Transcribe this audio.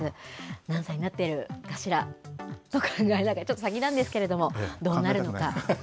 何歳になっているかしら、考えながら、ちょっと先なんですけれども、どうなるのか。